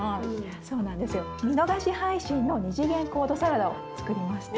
見逃し配信の２次元コードサラダを作りました。